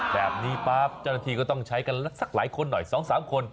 แบบนี้ป๊าปจริงก็ต้องใช้กันสักหลายคนหน่อย๒๓คน